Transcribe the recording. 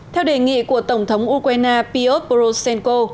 theo đề nghị của tổng thống ukraine piotr poroshenko